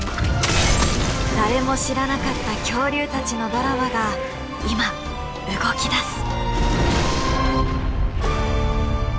誰も知らなかった恐竜たちのドラマが今動き出す。